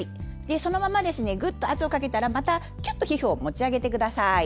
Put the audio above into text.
そのまま、圧をかけたらまたキュッと皮膚を持ち上げてください。